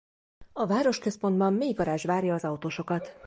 A városközpontban mélygarázs várja az autósokat.